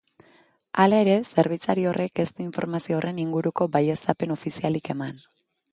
Hala ere, zerbitzari horrek ez du informazio horren inguruko baieztapen ofizialik eman.